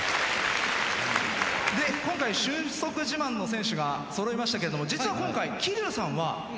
で今回俊足自慢の選手がそろいましたけれども実は今回。